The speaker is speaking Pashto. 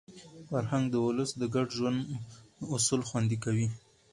فرهنګ د ولس د ګډ ژوند اصول خوندي کوي.